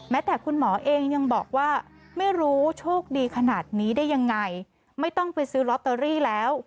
แต่คุณหมอเองยังบอกว่าไม่รู้โชคดีขนาดนี้ได้ยังไงไม่ต้องไปซื้อลอตเตอรี่แล้ว